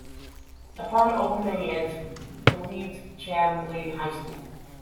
Upon opening it relieved Chambly High School.